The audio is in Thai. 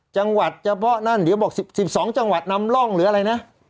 จังหวัดเฉพาะนั่นเดี๋ยวบอก๑๒จังหวัดนำร่องหรืออะไรนะ